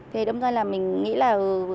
thế đồng thời là mình nghĩ là